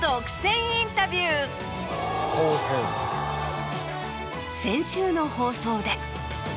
・後編・先週の放送で。